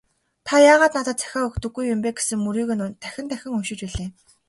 "Та яагаад надад захиа өгдөггүй юм бэ» гэсэн мөрийг нь дахин дахин уншиж билээ.